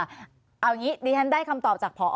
เอาอย่างนี้ดิฉันได้คำตอบจากพอ